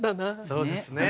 そうですね。